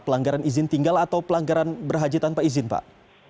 pelanggaran izin tinggal atau pelanggaran berhaji tanpa izin pak